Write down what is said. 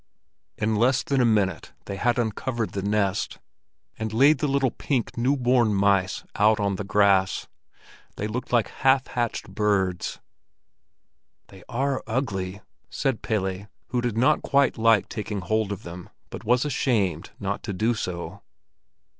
In less than a minute they had uncovered the nest, and laid the little pink, new born mice out on the grass. They looked like half hatched birds. "They are ugly," said Pelle, who did not quite like taking hold of them, but was ashamed not to do so.